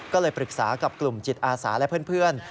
ก็เลยปรึกษากับกลุ่มจิตอาสาและเพื่อน